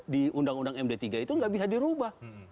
di undang undang md tiga itu nggak bisa dirubah